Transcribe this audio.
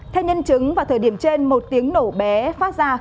theo nhân chứng vào thời điểm trên một tiếng nổ bé phát ra